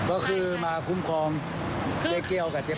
ก็คือมาคุ้มคลอมเจ๊เกียวกับเจฟฮัท